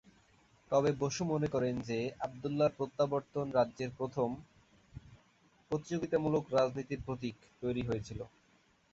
তবে বসু মনে করেন যে আবদুল্লাহর প্রত্যাবর্তন রাজ্যে প্রথম "প্রতিযোগিতামূলক রাজনীতির প্রতীক" তৈরি হয়েছিল।